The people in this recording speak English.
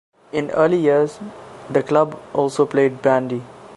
In early years, the club also played bandy.